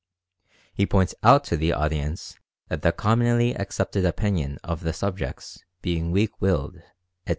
He points out to the audience that the commonly accepted opinion of the subjects being "weak willed," etc.